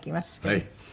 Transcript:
はい。